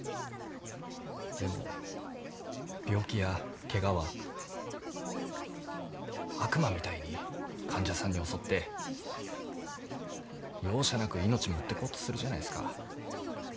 でも病気やケガは悪魔みたいに患者さんに襲って容赦なく命持ってこうとするじゃないですか。